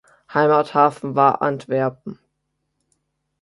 Heimathafen war Antwerpen.